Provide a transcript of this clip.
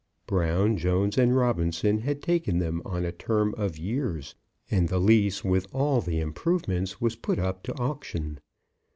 Brown, Jones, and Robinson had taken them on a term of years, and the lease with all the improvements was put up to auction.